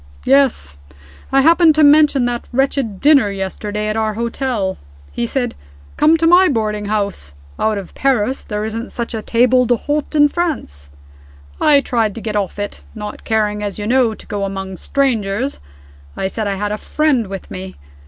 "Yes. I happened to mention that wretched dinner yesterday at our hotel. He said, 'Come to my boarding house. Out of Paris, there isn't such a table d'hote in France.' I tried to get off it not caring, as you know, to go among strangers I said I had a friend with me.